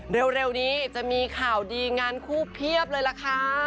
เร็วนี้จะมีข่าวดีงานคู่เพียบเลยล่ะค่ะ